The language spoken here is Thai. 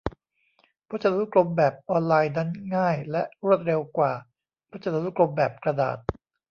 พจนานุกรมแบบออนไลน์นั้นง่ายและรวดเร็วกว่าพจนานุกรมแบบกระดาษ